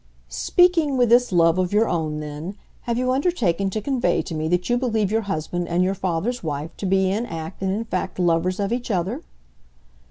"Speaking with this love of your own then, have you undertaken to convey to me that you believe your husband and your father's wife to be in act and in fact lovers of each other?"